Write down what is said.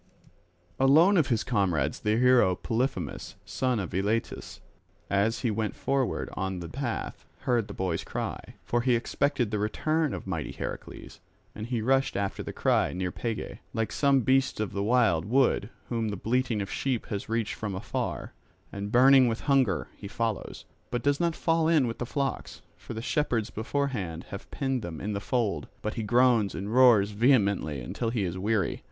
Alone of his comrades the hero Polyphemus, son of Eilatus, as he went forward on the path, heard the boy's cry, for he expected the return of mighty Heracles. And he rushed after the cry, near Pegae, like some beast of the wild wood whom the bleating of sheep has reached from afar, and burning with hunger he follows, but does not fall in with the flocks; for the shepherds beforehand have penned them in the fold, but he groans and roars vehemently until he is weary.